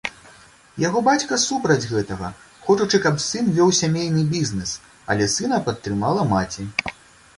Яго бацька супраць гэтага, хочучы, каб сын вёў сямейны бізнес, але сына падтрымала маці.